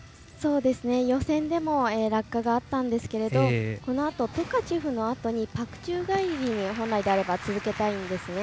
予選でも落下があったんですけれどこのあと、トカチェフのあとにパク宙返りに本来であれば続けたいんですね。